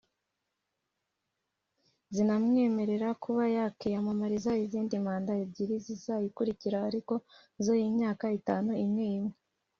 rinamwemerera kuba yakwiyamamariza izindi manda ebyiri zizayikurikira ariko zo z’imyaka itanu imwe imwe